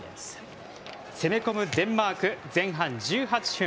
攻め込むデンマーク前半１８分。